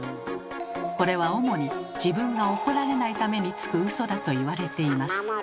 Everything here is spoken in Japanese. これは主に自分が怒られないためにつくウソだといわれています。